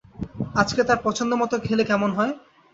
আজকে তার পছন্দমতো খেলে কেমন হয়?